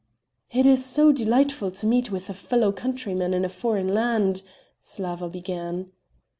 "It is so delightful to meet with a fellow countryman in a foreign land...." Slawa began.